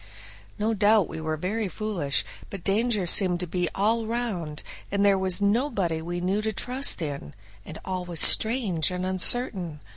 No doubt we were very foolish, but danger seemed to be all round, and there was nobody we knew to trust in, and all was strange and uncertain.